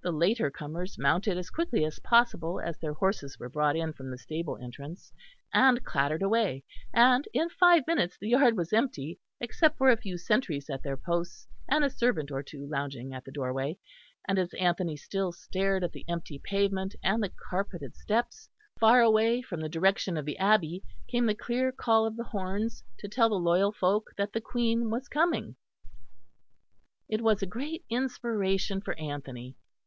The later comers mounted as quickly as possible, as their horses were brought in from the stable entrance, and clattered away, and in five minutes the yard was empty, except for a few sentries at their posts, and a servant or two lounging at the doorway; and as Anthony still stared at the empty pavement and the carpeted steps, far away from the direction of the Abbey came the clear call of the horns to tell the loyal folk that the Queen was coming. It was a great inspiration for Anthony.